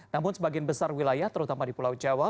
namun sebagian besar wilayah terutama di pulau jawa